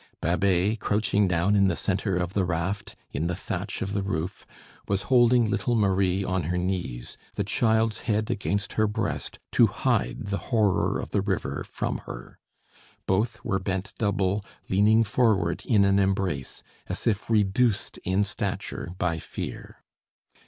Babet, crouching down in the centre of the raft, in the thatch of the roof, was holding little Marie on her knees, the child's head against her breast, to hide the horror of the river from her. Both were bent double, leaning forward in an embrace, as if reduced in stature by fear.